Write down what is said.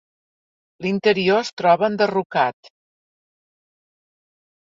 L'interior es troba enderrocat.